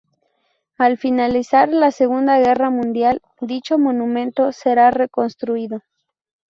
Al finalizar la Segunda Guerra Mundial, dicho monumento será reconstruido.